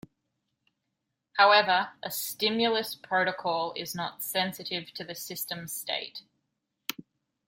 However a stimulus protocol is not sensitive to the system state.